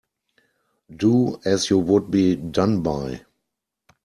Do as you would be done by.